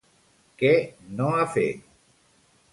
Què no ha fet?